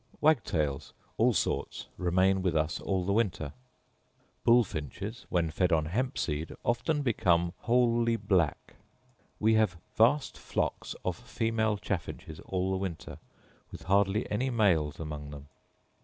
Wagtails, all sorts, remain with us all the winter. Bullfinches, when fed on hempseed, often become wholly black. We have vast flocks of female chaffinches all the winter, with hardly any males among them.